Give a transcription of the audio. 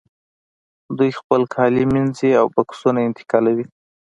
دوی خپل کالي مینځي او بکسونه انتقالوي